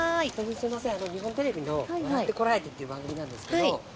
すいません。